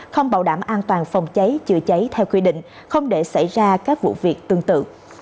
không bảo đảm an toàn phòng cháy chữa cháy theo quy định không để xảy ra các vụ việc tương tự